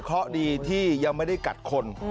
เพราะดีที่ยังไม่ได้กัดคน